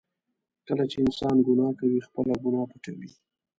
کله چې انسان ګناه کوي، خپله ګناه پټوي.